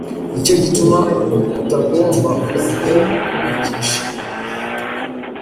ni cyo gituma mutagomba umuntu wo kubigisha: